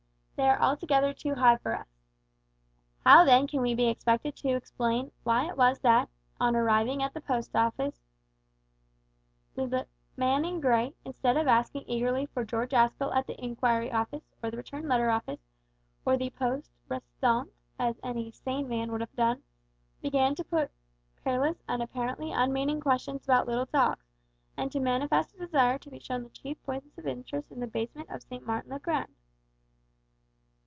They are altogether too high for us. How then can we be expected to explain why it was that, on arriving at the Post Office, the man in grey, instead of asking eagerly for George Aspel at the Inquiry Office, or the Returned Letter Office, or the poste restante, as any sane man would have done, began to put careless and apparently unmeaning questions about little dogs, and to manifest a desire to be shown the chief points of interest in the basement of St. Martin's le Grand?